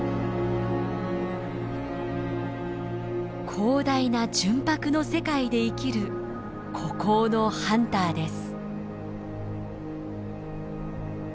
広大な純白の世界で生きる孤高のハンターです。